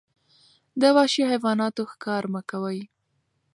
د وحشي حیواناتو ښکار مه کوئ.